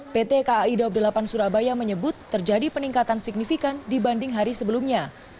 pt kai daup delapan surabaya menyebut terjadi peningkatan signifikan dibanding hari sebelumnya